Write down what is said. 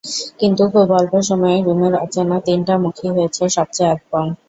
কিন্তু খুব অল্প সময়েই রুমের অচেনা তিনটা মুখই হয়েছে সবচেয়ে আপন।